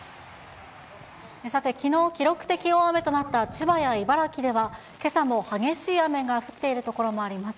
さて、きのう記録的大雨となった千葉や茨城では、けさも激しい雨が降っている所もあります。